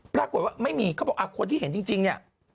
ปรากฏว่าไม่มีเขาบอกคนที่เห็นจริงเนี่ย